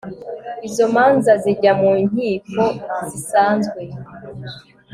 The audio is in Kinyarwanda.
izo manza zijya mu inkiko zisanzwe